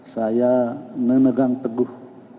saya menegang teguh